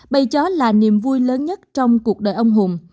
bày chó là niềm vui lớn nhất trong cuộc đời ông hùng